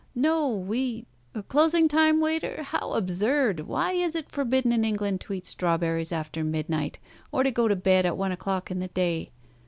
No, we closing time, Waiter! How absurd! Why, is it forbidden in England to eat strawberries after midnight, or to go to bed at one o'clock in the day?